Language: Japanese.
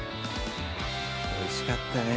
おいしかったね